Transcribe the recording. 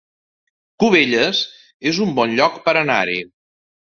Cubelles es un bon lloc per anar-hi